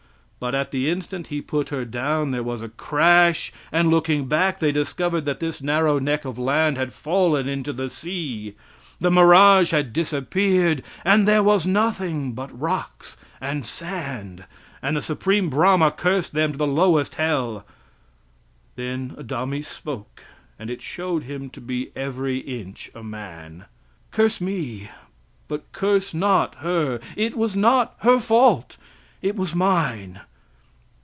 But at the instant he put her down there was a crash, and looking back they discovered that this narrow neck of land had fallen into the sea. The mirage had disappeared, and there was nothing but rocks and sand, and the Supreme Brahma cursed them to the lowest hell. Then Adami spoke and it showed him to be every inch a man "Curse me, but curse not her; it was not her fault, it was mine."